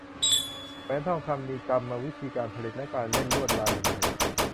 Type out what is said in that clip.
แหวนทองคำมีกรรมวิธีการผลิตและการเล่นลวดลายอย่างไร